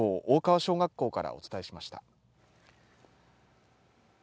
大川小学校からお伝えしました。